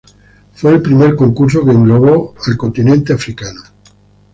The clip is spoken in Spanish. Fue el primer concurso que englobó al continente de África.